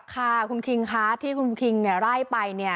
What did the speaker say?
ค่ะคุณคิงคะที่คุณคิงไล่ไปเนี่ย